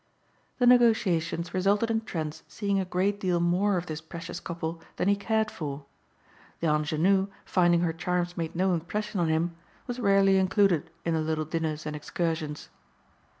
The negotiations resulted in Trent's seeing a great deal more of this precious couple than he cared for. The "anjenou" finding her charms made no impression on him was rarely included in the little dinners and excursions.